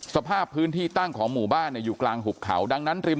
สภาพพื้นที่ตั้งของหมู่บ้านเนี่ยอยู่กลางหุบเขาดังนั้นริม